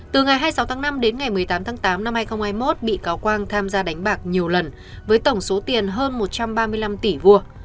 từ ngày hai mươi sáu tháng năm đến ngày một mươi tám tháng tám năm hai nghìn hai mươi một bị cáo quang tham gia đánh bạc nhiều lần với tổng số tiền hơn một trăm ba mươi năm tỷ vuông